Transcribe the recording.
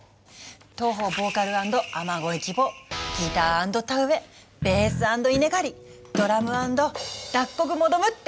当方ボーカル＆雨乞い希望ギター＆田植えベース＆稲刈りドラム＆脱穀求むって。